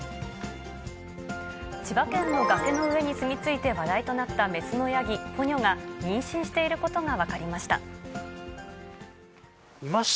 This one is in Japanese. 千葉県の崖の上に住み着いて話題となった雌のヤギ、ポニョが妊娠していることが分かりました。